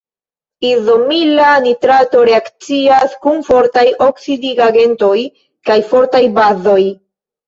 Izoamila nitrato reakcias kun fortaj oksidigagentoj kaj fortaj bazoj.